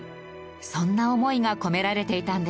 そんな思いが込められていたんです。